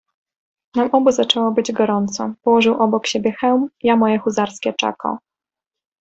"Nam obu zaczęło być gorąco: położył obok siebie hełm, ja moje huzarskie czako."